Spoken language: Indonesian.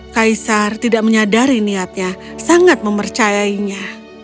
kaisar tidak menyadari niatnya sangat mempercayainya